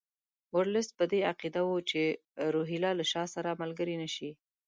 ورلسټ په دې عقیده وو چې روهیله له شاه سره ملګري نه شي.